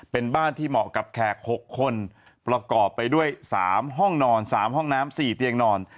เป็นบ้านที่เหมาะกับแขก๖คนประกอบไปด้วย๓ห้องนอน๓ห้องน้ำ๔เตียงนอน